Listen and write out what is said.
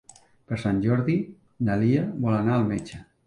Per Sant Jordi na Lia vol anar al metge.